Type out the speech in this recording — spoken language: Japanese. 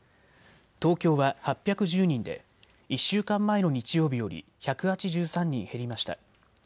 東京は８１０人で１週間前の日曜日より１８３人減りました。